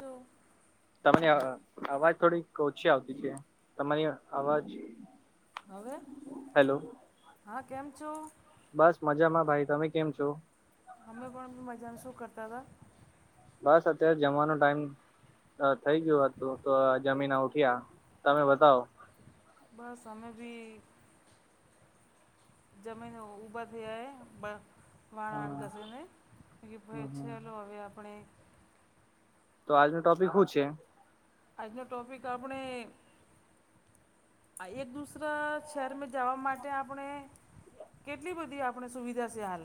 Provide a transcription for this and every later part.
તો તરી અવાજ થોડીક ઓછી આવતી છે તમારી અવાજ હવે હેલો હા કેમ છો? બસ મજામાં ભાઈ તમે કેમ છો? અમે પણ મજાનું શું કરતા હતા. બસ અત્યારે જવાનો ટાઈમ અ થઈ ગયું હતું તો જમીન ઉઠ્યા તમે બતાવો? બસ અમે બી જમીન ઉઊભા થયા એમ બ વાસણ હમ કસેને કે ભ હમ હમ ચાલ હવે આપણે તો આજનું ટોપિક હુ છે? અજના ટોપિક આપણે આ એક દુસરા શહેરમાં જવા માટે આપણે કેટલી બધી આપણે સુવિધા છે હાલ?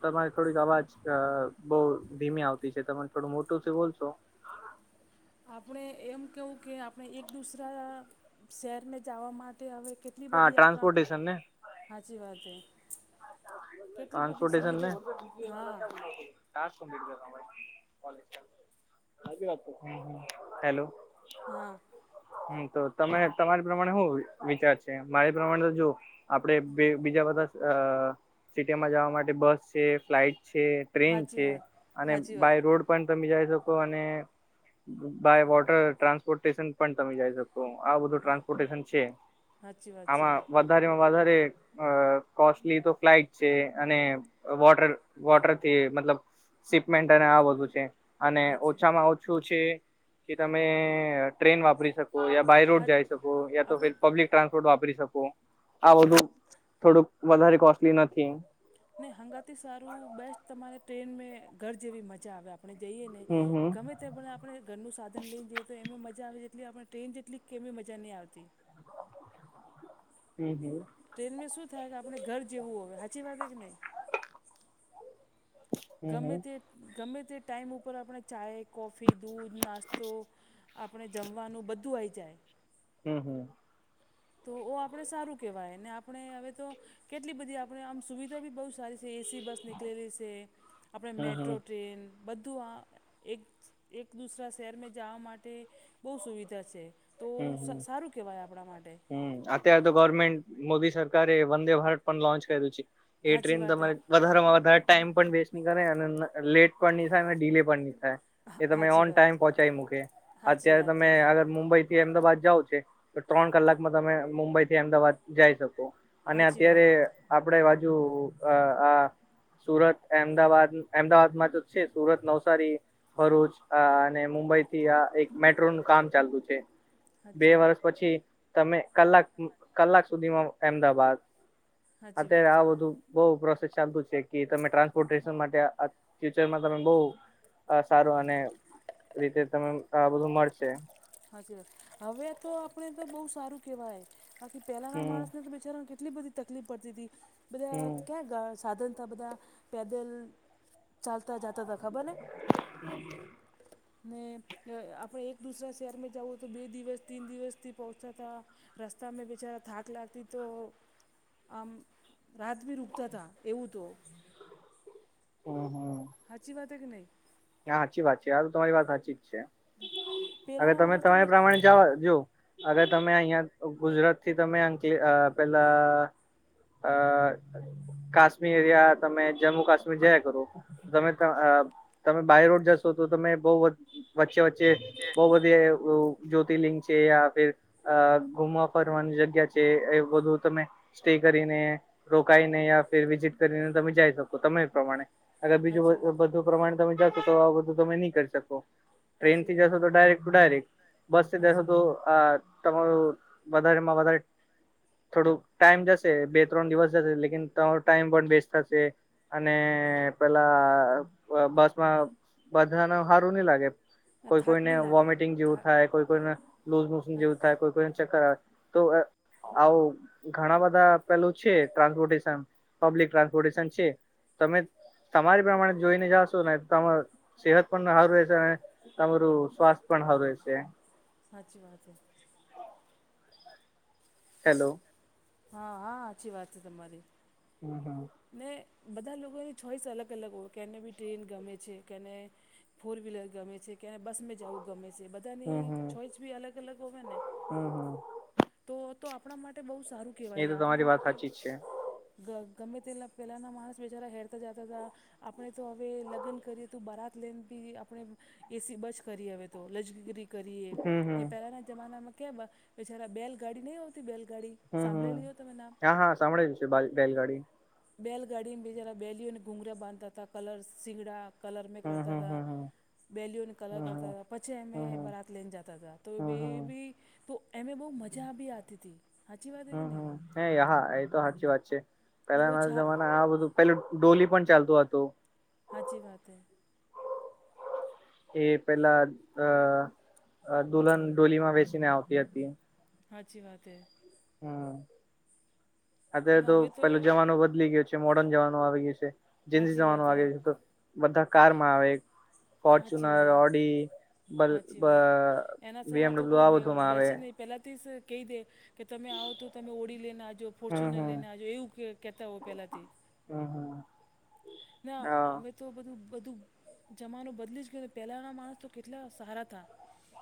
તમારી થોડીક અવાજ અ બહુ ધીમી આવતી છે તમે થોડું મોટું થી બોલશો! આપણે એમ કવું કે આપણે એક દુસરા શહેરને જવા માટે હવે કે એટલી હા બધી આપણા ટ્રાન્સપોર્ટેશન ને સાચી વાત હે. કેટલી બધી ટ્રાન્સપોર્ટેશન સુવિધા હા પ હેલો હા હમ તો તમે તમારી પ્રમાણે શું વિચાર છે મારી પ્રમાણે તો જો આપણેે બે બીજા બધા અ સિટીમાં જવા માટે બસ છે ફ્લાઇટ છે. ટ્રેન સાચી છે વાત અને સાચી વાત બાય રોડ પણ તમે જઈ શકો અને બાય વોટર ટ્રાન્સપોર્ટેશન પણ તમે જઈ શકો. તો આ બધું હા ટ્રાન્સપોર્ટેશન છે સાચી વાત છે. આમાં. વધારે વધારે અ કોસ્ટલી તો ફ્લાઇટ છે અને. વોટર વોટરથી મતલબ સિપમેન્ટ અને આ બધું છે. અને હાચી ઓછામાં ઓછું છે કે તમે? ટ્રેન વાપરી શકો યા બાય હા રોડ જાય શકો યા તો ફ આપણી પબ્લિક ટ્રાન્સપોર્ટ વાપરી શકો. આ બધું થોડુંક વધારે કોસ્ટલી નથી. નને હંગાથી સારું બેસ્ટ તમારે ટ્રેન મે ઘર જેવી મજા આવ્યા. આપણે જઈએ હમ હમ અનેને ગમે પણ આપણે ઘરનું સાધન લઈને જઈએ તો એમાં મજા આવે એટલી આપણે ટ્રેન જેટલી કે એવી મજા નહીં આવતી. હમ હમ ટ્રેનમાં શું થાય કે આપણે ઘર જેવું હોય સાચી વાત કે નહીં. [inaudible] ગમે હમ તે ગમે તે ટાઈમ ઉપર આપણે ચાય કોફી દૂધ નાસ્તો. આપણે જમવાનું બધું આઇ જાય. હમ હમ તો ઓ આપણે સારું કહેવાય ને આપણે હવે તો. કેટલી બધી આપડે આમ સુવિધા બી બહુ સારી છે એસી બસ. નીકળેલી છે આપણે હમ હમ મેટ્રો ટ્રેન. બધું આ એક એક દુસરા શહેરમાં જાવા માટે બહુ સુવિધા છે. તો હમ સ હમ સારું કહેવાય આપણા માટે. હમ અત્યારે તો ગવર્મેન્ટ મોદી સરકારે વંદે ભારત પણ લોન્ચ કર્યું છે. એ સાચી ટ્રેન વાત તમારે વધારેમાં વધારે ટાઈમ પણ વેસ્ટ નહી કરે અને લેટ પણ નહી થાય ડીલે પણ નહી થાય. એ તમે સાચી ઓન વાત ટાઈમ પહોંચાી મૂકે હાચી અત્યારે વાત તમે. હે. મુંબઈ થી અમદાવાાદ જાવ છે તો ત્રણ કલાકમાં તમે મુંબઈ થી અમદાવાાદ જઈ શકો. અને હાચી વાત. હાચી વાત અત્યારે આપડે બાજુ અ આ સુરત અમદાવાદ અમદાવાદમાં તો છે સુરત નવસારી. ભરૂચ અ અને મુંબઈ થી આ એક મેટ્રોનું કામ ચાલતું છે. બે હાચી વર્ષ પછી તમે કલાક કલાક સુધીમાં અહેમદાબાદ. અત્યારે વાત હે આવધું બઉ પ્રોસેસ ચાલતું છે કે તમે ટ્રાન્સપોર્ટન માટે ફ્યુચર માં તમે બ‌ઉ. આ સારું અને રીતે તમે આ બધું મળશે. હાચ હવે તો આપણે તો બહુ સારું કેવાય બાકી પેલાના હમ માણસ ને તો બિચારા કે. એટલી બધી તકલીફ પડતી હતી બધા હમ ક્યાં ગા સાધન થ બધા પેદલ ચાલતા જતા ત ખબર ને. [unintelligible] [unintelligible] ને આપણે એક દૂસરા શહેરમાં જાઉ તો બે દિવસ તીન દિવસથી પહોંચાતા. રસ્તા મે બેિચારા થાક લાગતી તો આમ રાત બી રુકતા હતા એવું તો હમ હમ હાચી વાત કે ન‌ઈ હા સાચી વાત છે આ તો તમારી વાત સાચી જ છે હવે પહેલાંના તમે માણસ તો તમારા પ્રમાણે જવા જો. અગર તમે અહિયાં ગુજરાત થી તમે અંકલી પેલા હ કાશ્મીર યા તમે જમ્મુ કાશ્મીર જયા કરો તમે. તમે બાય રોડ જશો તો તમે બહુ વચ્ચે વચ્ચે [unintelligible] બ‌ઉ બઘી અ જ્યોતિર્લિંગ છે યા ફિર. અ ગુમવા ફરવાની જગ્યા છે એ બધું તમે. સ્ટે કરીને રોકાઈને યા ફેર વિઝિટ કરીને તમે જઈ શકો તમે એ પ્રમાણે. અગર સાચી બીજું વાત બધું પ્રમાણે તમે જાશો તો આ બધું તમે નહી કરી શકો. ટ્રેન સાચી થી વાત જશો છે તો ડાયરેક્ટ ટુ ડાયરેક્ટ બસ થી જશો સાચી તો. વાત અ તમારું વધારેમાં વધારે. થોડું ટાઈમ જશે બે ત્રણ દિવસ જશે લેકિન ત્રળ ટાઈમ પણ બેસ્ટ થશે. અને પેલા બસમાં બધા ન સારું નહ લાગે. કોઈ થાક કોઈને બી લાગે વોમિટિંગ જેવું થા થાય કોઈ કોઈને લુઝ મોશન જેવું થાય કોઈ કોઈને ચક્કર આવે. તો અ. આવ ઘણા બધા પેલું છે, ટ્રાન્સપોર્ટેશન પબ્લિક ટ્રાન્સપોર્ટેશન છે. તમે તમારી પ્રમાણે જોઈને જાશો ને તમારુ સેહત પણ સારું રહેશે, તમારું સ્વાસ્થ પણ સારું રહેશે. સાચી વાત હૈ. હેલો. હા હા સાચી વાત છે તમારી. હમમ હમમ. ને બધા લોકોની ચોઈસ અલગ અલગ હોય કેને બી ટ્રેન ગમે છે કેને ફોર વ્હીલર ગમે છે કે આ બસ મે જાવું ગમે છે. બધાની હમ હમ ચોઈસ બી અલગ અલગ હોય ને. હમ હમ તો તો આપણા માટે બો સારું એ તો કેહવાય. તમારી આપણા વાત માટે સાચી જ છે. ગવ ગમે તેલાં પહેલાં માણસ બિચારા હેરતા જતા હતા. આપણે તો હવે લગ્ન કરીએ તો બારત લઈને બી આપણે એસી બચ કરયે હવે તો લજગીરી કરીએ હમ ને હમ પહેલાંના જમાનામાં કેવા હતા કે બેલગાડી નહીં આવતી બેલગાડી. હમ હમ. સાંભડેલુ હો તમે નામ. હા હા સાંભળેલું છે. એ [unintelligible] બેલગાડી. બેલગાડીને બીજારા બેલીઓને ઘુંઘરા બાંધતા હતા કલર્સ શીગડા. કલર ને હમ કરતા હમ તા. હમ બેલીઓને કલર હમ કરતા હમ હતા પછી હમ અમે હમ હમ બરાત લઈને જતા હતા તો હવે હમ એ હમ. બી તો એમે બો મજા બી આવતી તી સાચી વાત હે કે હમ નય. હમ હે હા એ તો સાચી વાત છે. ને પેલાના ઓછા જમાના આ બધું પેલું ડોલી પણ ચાલતું હતું. સાાચી વાત હૈ. [inaudible] એ પેલા અ દુલ્હન ડોલીમાં બેસીને આવતી હતી. હાચી વાત હે. હમમ. અત્યારે તો ના હવે પેલો જમાનો બદલી ગીયો છે મોર્ડન જમાનો આવી ગયો છે. જેની સાચી જાન વાત હે વાગે છે તો બધા કારમાં આવે સાચી ફોર્ચુનર, વાત ઓડી. બલ સાચી વાત. એના બી સવા તો એમડબલ્યુ કોઈ આ બધુંમાં આવે બેસે ની પેલાથી જ કેય દેય. કે તમે આવો તો તમે ઓળી લઈને આવજો, હમ ફોર્ચ્યુનર હમ લઈને આવજો એવું કહેતા હો પહેલાંથી. હા હા. ના આ બધું તો બધું બધું જમાનું બદલી જ ગયો. પહેલાના માણસ તો કેટલા સારા તા.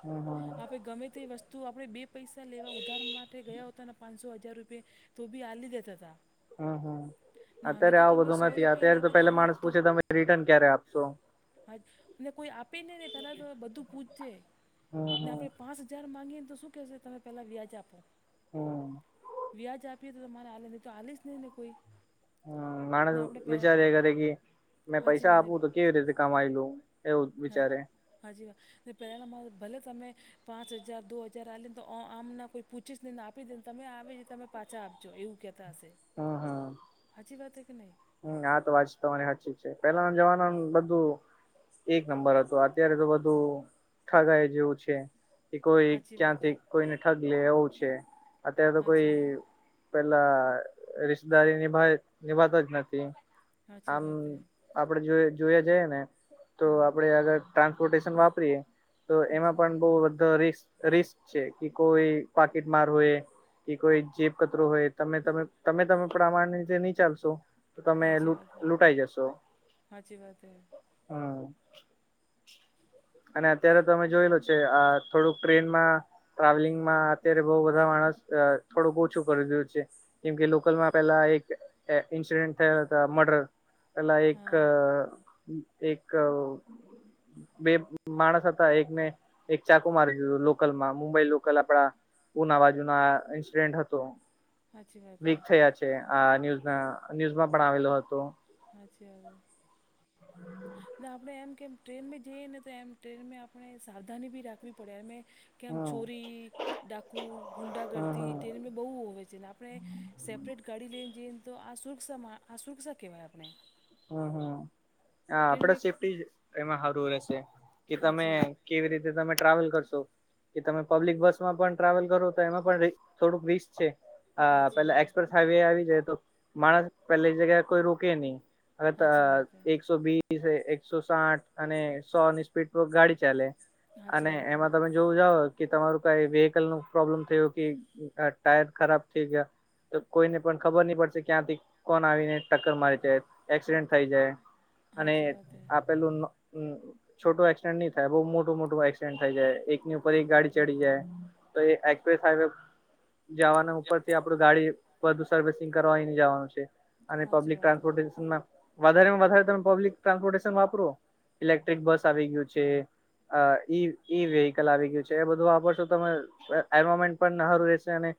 હમ હમ ગમે તે વસ્તુ આપણે ડીપ પૈસા લેવા ઉધાર માટે ગયા હતા પાનસો હજાર રૂપિયા તો બી આલી દેતા હતા. હા હા ને હવે અત્યારે તો આવું તમે બધું સો નથી રૂપિયા અત્યારે તો લેવા જાઓ પેલા ને માણસ તો પૂછે તમે રિટર્ન ક્યારે આપશો. હા અને કોઈ આપે ને તો પેલા તો બધું પૂછજે હમ ને હમ આપણે પાંચ જણ માંજ ને તો શું કેહેશે તમે પેલા વ્યાજ આપો. હા. વ્યાજ આપીએ તો તમારે આલે ની તો આલીશ નય ને કોઈ. હા ને માણસ આપણે પે વિચારયા કરે કે મેં હાજી પૈસા વાને આપું તો કેવી રીતે કમાયલું એવું હા વિચારે. હાજી હા પહેલાં ના માણસ ભલે તમને પાંચ હજાર, દો હજાર આલીને તો આમના કોઈ પૂછીસ ની ને આપી દેને તમે આલી દે તમે પાછા આપજો એવું કહેતા હશે. હાચી વાત હે કે નય. હમમ આ તો વાત તમારી સાચી છે. પેલાના જમાનાનું બધું એક નંબર હતું. અત્યારે તો બધું ઠગાય જેવું છે કે કોઈ સાચી વાત હે ક્યાંથી કોઈને ઠગ લેવું છે અત્યારે તો કોઈ સાચી પેલા રિશતેદારી નિભાવ નિભાવતા જ નથી. સાચી આમ વાત હે આપણે જો જોયા જઈએ ને તો હમ આપણેે આગર ટ્રાન્સપોર્ટેશન વાપરીએ. તો એમાં અચ્છા સાચી વાત પણ બહુ હે બો રીસ્ક. રિસ્ક છે કે કોઈ પાકીટ માર હોય કે કોઈ જેબ કચરો હોય તમે તમે. તમે તમે પ્રામાણિક રીતે નહી ચાલશો. તો તમે સાચી લૂંટાઈ જશો વાત હે હમ. અને અત્યારે તમે જોય લો છે આ થોડુંક ટ્રેનમાં ટ્રાવેલિંગમાં અત્યારે બઉ બધા માણસ થોડુંક ઓછું કરી દું છે. કેમ કે લોકલમાં પેલા એક ઇન્સિડેન્ટ થયા હતા મર્ડર પેલા એક હા એક બે માણસ હતા એકને એક ચાકુ મારી ગું લોકલ માં મુંબઈ લોકલ આપડા પુના બાજુનો આ ઇન્સિડેન્ટ હતો. સાચી વાત હે વીક થયા છે આ ન્યૂઝમાં ન્યૂઝમાં પણ આવેલો હતો. હચછ હ આપડણે એમ કેમ ટ્રેનમાં જઈએ ને તો એમ ટ્રેનમાં આપણે સાવધાની બી રાખવી પડે અમે કેમ હમ છોરી ડાકુ ગુંડા હમ ગર્દી હમ તેટેરી બહુ હોવે છે ને આપણે સેપરેટ ગાડી લઈને જઈએ ને તો આ સુરક્ષામાં આ સુરક્ષા કહેવાય આપણે. હમ હમ આપડે ટ્રેનમાં સેફ્ટી એમાં સારું રહેશે કે તમે. હાજી કેવી રીતે તમે ટ્રાવેલ કરશો. કે તમે પબ્લિક બસમાં પણ ટ્રાવેલ કરો તો એમાં પણ થોડુંક રિસ્ક છે. હા હાચી પેલા વાત એક્સપ્રેસ હાઈવે આવી જાય તો માણસ પેલે એ જગ્યા કોઈ રોકે નહી. અગ હાચી વાત હે એકસો બીસ એકસો સાઠ. અને સોની સ્પીડ પર ગાડી ચાલે હાચી અને વાત હે એમાં તમે. જોવું જાાવ કે તમારું કઈ વેહકલ નું પ્રોબ્લેમ થયો કે ટાયર ખરાબ થઈ ગયા. તો કોઈને પણ ખબર નહી પડશે ક્યાંથી કોણ આવીને ટક્કર મારી જાય. એક્સિડેન્ટ થઈ જાય અને હાચી વાત હે આપેલું. છોટું એક્સિડેન્ટ નહી થાય બહુ મોટું મોટું એક્સિડેન્ટ થઈ જાય એકની ઉપર એક ગાડી ચડી જાય. તો એ એક્સપ્રેસ હાઇવે જવાનું ઉપર થી આપડું ગાડી બધુ સર્વિસિંગ કરવા ન જવાનું છે. અને હાચી પબ્લિક વાત હે ટ્રાન્સપોર્ટેશનમાં વધારેમાં વધારે તમે પબ્લિક ટ્રાન્સપોર્ટેશન વાપરો. ઇલેક્ટ્રિક બસ આવી ગયું છે. અ ઈ ઈ વેહકલ આવી ગયું છે એ બધું વાપરશો તમે. એમોમેન્ટ પણ નારું છે અને.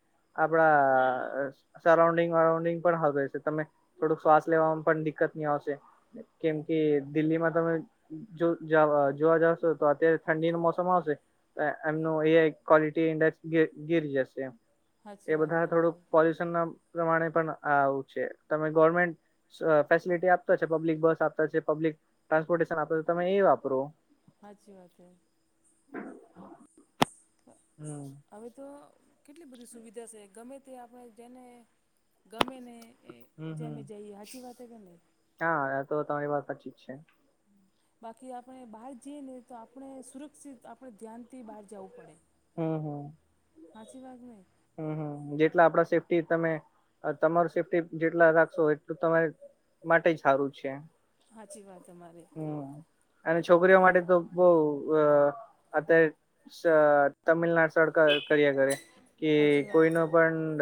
આપણા સરાઉન્ડિંગ વરાઉન્ડિંગ પણ હવે છે તમે. થોડોક શ્વાસ લેવામાં પણ દિકકત નહી આવશે કેમ કે દિલ્હીમાં તમે. જો જોવા જશો તો અત્યારે ઠંડી ન મોસમ આવશે. એમનું એ ક્વોલિટી ઇન્ડેક્સ ગીરી જશે. હાચી એ વાત બધા હે થોડુંક તમારી પોલ્યુશન ના પ્રમાણે પણ આવું છે તમે ગવર્મેન્ટ ફેસિલિટી આપતા છે પબ્લિક બસ આપતા છે પબ્લિક ટ્રાન્સપોર્ટેશન આપતા તમે એ વાપરો. હાચી વાત હૈ. હમ. હવે તો કેટલી બધી સુવિધા છે ગમે તે આપણે જેને ગમેને. એ હમ હમ જેમે જઈએ સાચી વાત કે નહીં. હા આ તો તમારી વાત સાચી જ છે. બાકી આપણે બહાર જઈએ ને તો આપણે સુરક્ષિત આપણે ધ્યાન થી બહાર જવું પડે. હમ હમ. હાછી બાત ન હમ હમ જેટલા આપડા સેફ્ટી તમે તમારુ સેફ્ટી જેટલા રાખશો એટલું તમારે માટે સારું છે. સાચી વાત તમારી. હમ અને છોકરીઓ માટે તો બહુ અ અત્યારે સઅ તમિલનાડ સડ કરીયા કરે. હા. કે કોઈ ન પણડ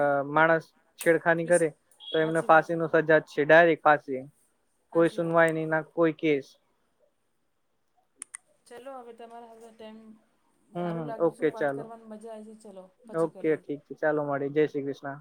અ વિ માણસ છેડખાની વિસ કરે તો એમને સાચી વાત ફાંસી છે ની સજા જ છે ડાયરેક્ટ ફાંસી. કોઈ સાચી વાત છે સુનવાઈ નહી ના કોઈ કેસ. ચલો હવે તમારા હતો ટાઈમ હમ હમ સારું લાગ્યું ઓકે છું વાત ચાલો કરવાની મજા આવી છે ચલો પછે ઓકે કરીએ. ઠીક ચાલો મળી જય શ્રી કૃષ્ણ.